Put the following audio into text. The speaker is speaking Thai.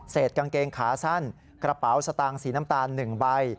กางเกงขาสั้นกระเป๋าสตางค์สีน้ำตาล๑ใบ